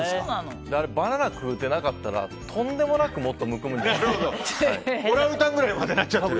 バナナ食うてなかったらとんでもなく、もっとむくむんじゃないかと。